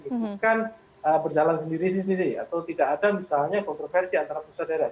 bukan berjalan sendiri sendiri atau tidak ada misalnya kontroversi antara pusat dan daerah